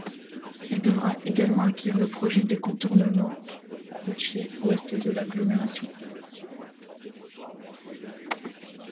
Il devrait également accueillir le projet de contournement routier ouest de l'agglomération.